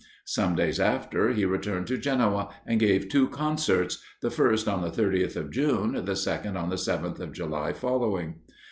Some days after, he returned to Genoa, and gave two concerts, the first on the 30th of June, the second on the 7th of July following.